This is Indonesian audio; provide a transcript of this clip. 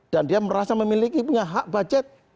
dan dia merasa memiliki hak budget